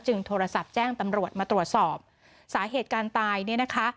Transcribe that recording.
โทรศัพท์แจ้งตำรวจมาตรวจสอบสาเหตุการตายเนี่ยนะคะ